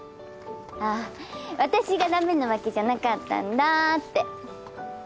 あ私が駄目なわけじゃなかったんだって。